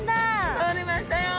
とれましたよ！